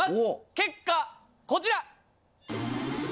結果こちら！